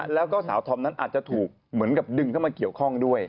แล้วก็สาวธอมนั้นอาจจะถูกเหมือนกับดึงเข้ามาเกี่ยวข้องด้วย